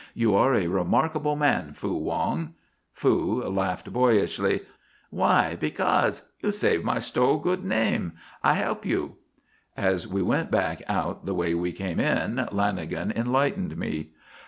"You are a remarkable man, Fu Wong." Fu laughed boyishly. "Why? Becaus'? You save my sto' good name? I help you." As we went back out the way we came in, Lanagan enlightened me.